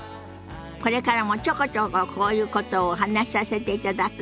これからもちょこちょここういうことをお話しさせていただくわね。